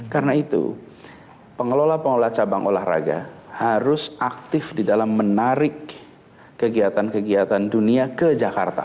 karena itu pengelola pengelola cabang olahraga harus aktif di dalam menarik kegiatan kegiatan dunia ke jakarta